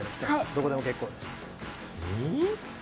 どこでも結構です。